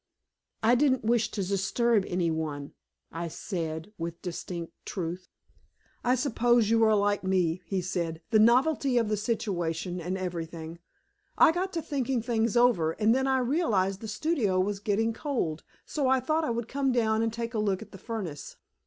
"I didn't wish to disturb any one," I said, with distinct truth. "I suppose you are like me," he said. "The novelty of the situation and everything. I got to thinking things over, and then I realized the studio was getting cold, so I thought I would come down and take a look at the furnace.